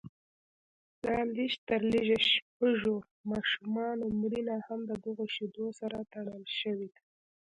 د لږ تر لږه شپږو ماشومانو مړینه هم ددغو شیدو سره تړل شوې ده